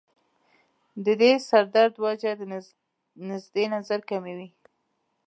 د دې سر درد وجه د نزدې نظر کمی وي